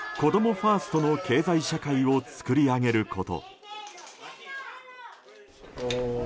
ファーストの経済社会を作り上げること。